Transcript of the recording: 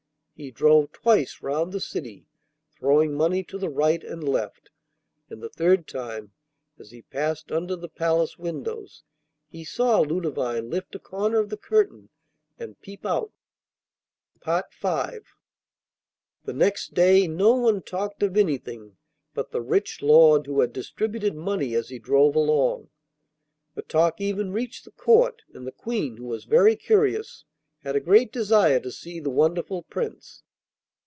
He drove twice round the city, throwing money to the right and left, and the third time, as he passed under the palace windows, he saw Ludovine lift a corner of the curtain and peep out. V The next day no one talked of anything but the rich lord who had distributed money as he drove along. The talk even reached the Court, and the Queen, who was very curious, had a great desire to see the wonderful Prince.